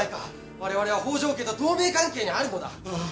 われわれは北条家と同盟関係にあるのだ。